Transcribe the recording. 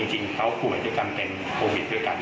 จริงเขาป่วยด้วยกันเป็นโควิดด้วยกัน